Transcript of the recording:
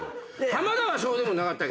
浜田はそうでもなかったけどね。